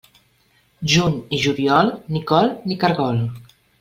Juny i juliol, ni col ni caragol.